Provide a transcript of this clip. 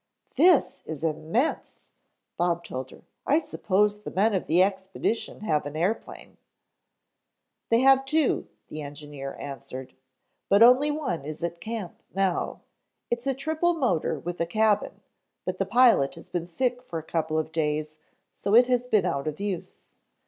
"This is immense," Bob told her. "I suppose the men of the expedition have an airplane." "They have two," the engineer answered, "but only one is at camp now. It's a triple motor with a cabin, but the pilot has been sick for a couple of days so it has been out of use.